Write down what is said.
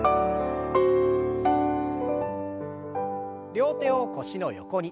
両手を腰の横に。